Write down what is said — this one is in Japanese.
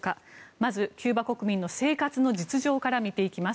まず、キューバ国民の生活の実情から見ていきます。